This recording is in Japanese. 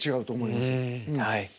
はい。